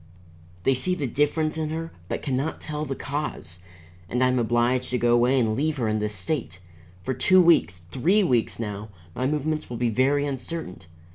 They see the difference in her, but can not tell the cause. And I am obliged to go away and leave her in this state. For two weeks, three weeks now, my movements will be very uncertain.